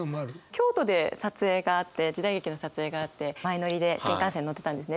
京都で撮影があって時代劇の撮影があって前乗りで新幹線乗ってたんですね。